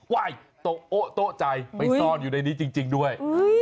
ว้ายโต๊ะใจไปซ่อนอยู่ในนี้จริงด้วย